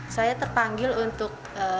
saya terpanggil untuk